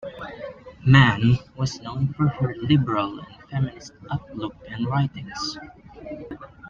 Mann was known for her liberal and feminist outlook and writings.